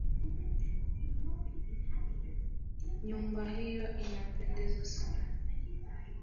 Nyumba hiyo inapendeza sana.